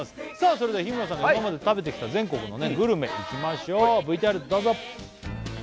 それでは日村さんが今まで食べてきた全国のグルメいきましょうＶＴＲどうぞ！